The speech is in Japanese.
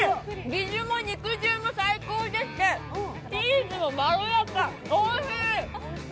ビジュも肉汁も最高でして、チーズもまろやか、おいしい。